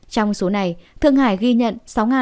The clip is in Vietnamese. trong số này thượng hải ghi nhận